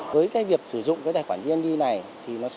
với cái việc sử dụng cái tài khoản vned này thì nó sẽ có một số